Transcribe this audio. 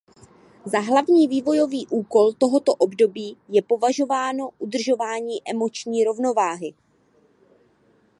Za hlavní vývojový úkol tohoto období je považováno udržování emoční rovnováhy.